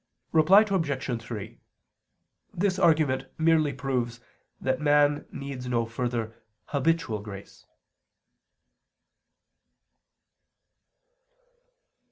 Reply Obj. 3: This argument merely proves that man needs no further habitual grace.